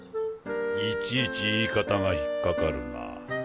いちいち言い方が引っかかるな。